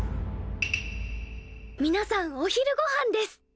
みなさんお昼ごはんです！